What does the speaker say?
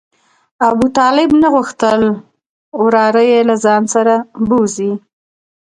ابوطالب نه غوښتل وراره یې له ځان سره بوځي.